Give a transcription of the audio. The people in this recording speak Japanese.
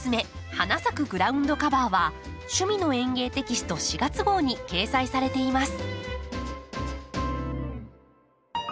花咲くグラウンドカバー」は「趣味の園芸」テキスト４月号に掲載されています。